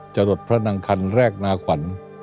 จรดพระนางคันแรกนาขวัญ